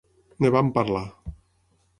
En vam parlar.